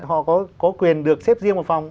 họ có quyền được xếp riêng một phòng